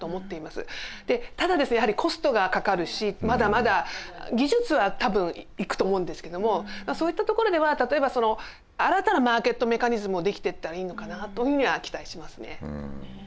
でただですねやはりコストがかかるしまだまだ技術は多分いくと思うんですけどもそういったところでは例えば新たなマーケットメカニズムをできてったらいいのかなというふうには期待しますね。